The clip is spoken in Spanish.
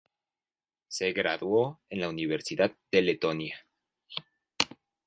Se graduó en la Universidad de Letonia.